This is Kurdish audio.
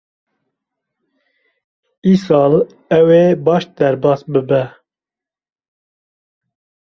Îsal ew ê baş derbas bibe.